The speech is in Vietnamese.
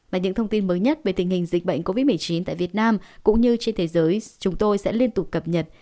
và những thông tin mới nhất về tình hình dịch bệnh covid một mươi chín tại việt nam cũng như trên thế giới chúng tôi sẽ liên tục cập nhật